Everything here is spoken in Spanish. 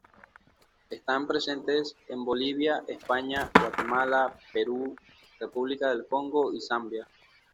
Están presentes en Bolivia, España, Guatemala, Perú, República del Congo y Zambia.